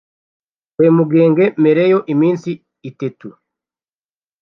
kwe mugenge mereyo iminsi itetu